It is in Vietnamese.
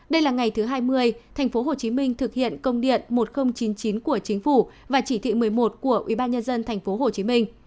đây là ngày thứ hai mươi tp hcm thực hiện công điện một nghìn chín mươi chín của chính phủ và chỉ thị một mươi một của ubnd tp hcm